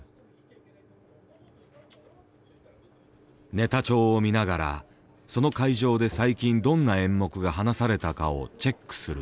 ネタ帳を見ながらその会場で最近どんな演目が話されたかをチェックする。